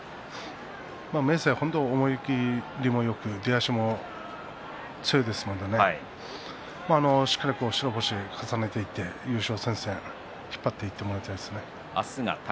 明生は本当に思い切りもよく出足も強いですからしっかり白星を重ねていって優勝戦線、引っ張っていってほしいですね。